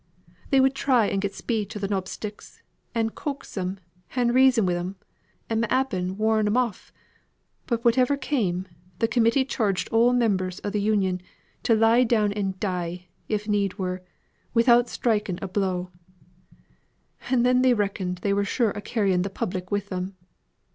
They would try and get speech o' th' knobsticks, and coax 'em, and reason wi' 'em, and m'appen warn 'em off; but whatever came, the Committee charged all members o' th' Union to lie down and die, if need were, without striking a blow; and then they reckoned they were sure o' carrying th' public with them.